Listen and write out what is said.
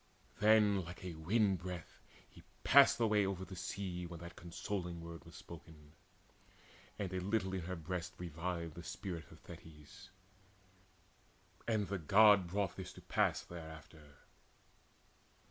Then like a wind breath had he passed away Over the sea, when that consoling word Was spoken; and a little in her breast Revived the spirit of Thetis: and the God Brought this to pass thereafter.